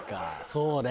そうね。